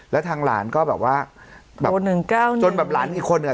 แล้วทางหลานก็แบบว่าโอ้หนึ่งเก้าหนึ่งจนแบบหลานอีกคนอ่ะ